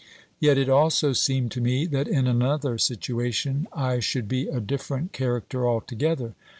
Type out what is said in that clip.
Yet it also seemed to me that in another situation I should be a dif ferent character altogether.